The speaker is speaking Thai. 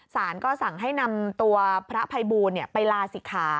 สารก็สั่งให้นำตัวพระภัยบูลไปลาศิกขา